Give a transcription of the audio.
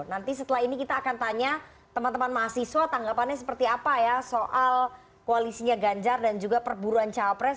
nanti setelah ini kita akan tanya teman teman mahasiswa tanggapannya seperti apa ya soal koalisinya ganjar dan juga perburuan cawapres